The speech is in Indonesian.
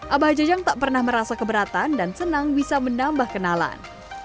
abah jajang tak pernah merasa keberatan dan senang bisa menambah kenalan